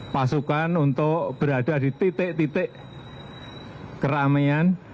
pasukan untuk berada di titik titik keramaian